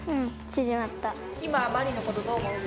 いまマリイのことどう思う？